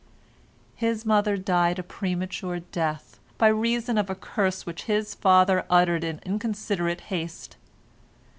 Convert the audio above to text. His mother died a premature death, by reason of a curse which his father uttered in inconsiderate haste.